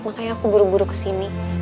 makanya aku buru buru kesini